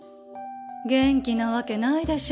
元気なわけないでしょう